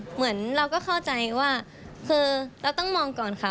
เหมือนเราก็เข้าใจว่าคือเราต้องมองก่อนค่ะ